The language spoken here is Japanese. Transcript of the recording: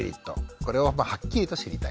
これをはっきりと知りたい。